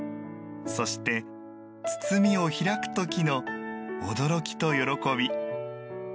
そして、包みを開く時の驚きと喜び。